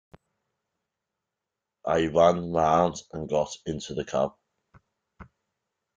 I ran round and got into the cab.